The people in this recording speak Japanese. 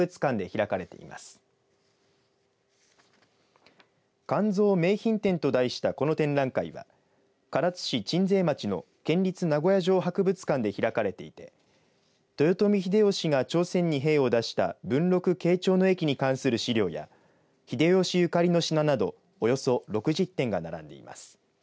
館蔵名品展と題したこの展覧会は唐津市鎮西町の県立名護屋城博物館で開かれていて豊臣秀吉が朝鮮に兵を出した文禄・慶長の役に関する資料や秀吉ゆかりの品などおよそ６０点が並んでいます。